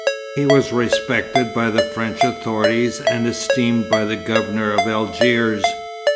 He was respected by the French authorities and esteemed by the Governor of Algiers.